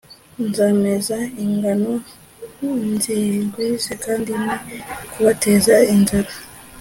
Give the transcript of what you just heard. Nzameza ingano nzigwize kandi ne kubateza inzara